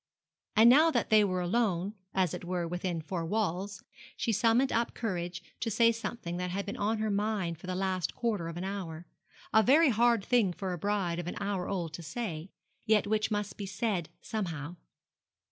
And now that they were alone, as it were within four walls, she summoned up courage to say something that had been on her mind for the last quarter of an hour a very hard thing for a bride of an hour old to say, yet which must be said somehow.